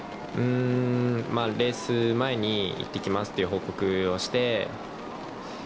レース前に行ってきますという報告をして。